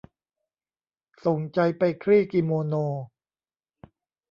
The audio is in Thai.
ส่งใจไปคลี่กิโมโน